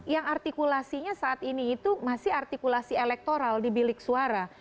yang artikulasinya saat ini itu masih artikulasi elektoral di bilik suara